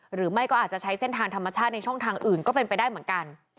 หรือไม่ก็อาจจะใช้เส้นทางธรรมชาติในช่องทางอื่นก็เป็นไปได้เหมือนกัน